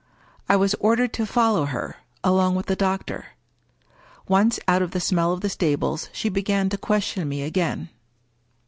I was ordered to follow her, along with the doctor. Once out of the smell of the stables she began to question me again.